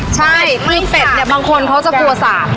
ใช่ปิ้งเป็ดเนี่ยบางคนเขาจะกลัวสาด